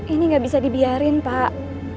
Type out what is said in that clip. ini nggak bisa dibiarin pak